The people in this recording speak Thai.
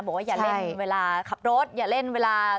อย่าเล่นเวลาขับรถอย่าเล่นเวลา